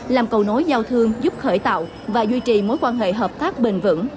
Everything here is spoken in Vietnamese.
làm cầu nối giao thương giúp khởi tạo và duy trì mối quan hệ hợp tác bền vững